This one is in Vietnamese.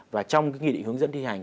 và trong cái nghi định hướng dẫn thi hành